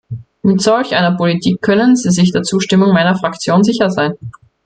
Mit solch einer Politik können Sie sich der Zustimmung meiner Fraktion sicher sein.